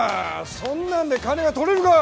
そんなんで金が取れるか。